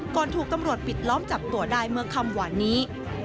ถูกตำรวจปิดล้อมจับตัวได้เมื่อคำหวานนี้